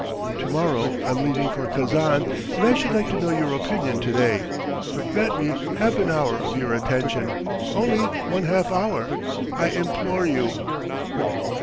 To morrow I'm leaving for Kazan and I should like to know your opinion to day. Grant me half an hour of your attention ... only one half hour ... I implore you!"